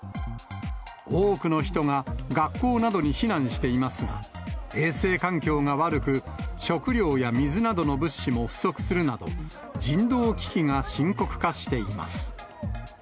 多くの人が学校などに避難していますが、衛生環境が悪く、食料や水などの物資も不足するなど、人道危機が深刻化しています。